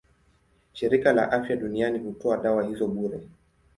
Shirika la Afya Duniani hutoa dawa hizo bure.